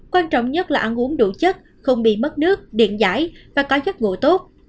quan trọng nhất là ăn uống đủ chất không bị mất nước điện giải và có giấc ngủ tốt